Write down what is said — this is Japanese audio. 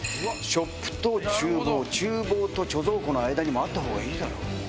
ショップと厨房厨房と貯蔵庫の間にもあったほうがいいだろう。